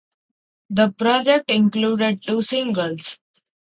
The project included two singles.